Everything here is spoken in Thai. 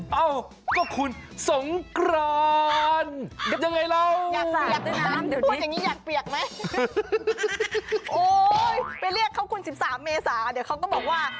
ไปเรียกเขาคุณ๑๓เมษาเดี๋ยวเขาก็บอกว่า